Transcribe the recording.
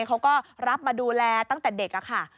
เขาก็รับมาดูแลตั้งแต่เด็กค่ะ